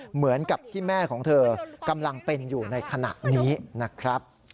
เหมือนกับที่แม่ของเธอกำลังเป็นอยู่ในขณะนี้นะครับ